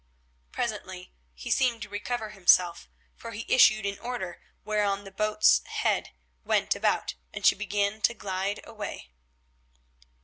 Presently he seemed to recover himself, for he issued an order, whereon the boat's head went about, and she began to glide away.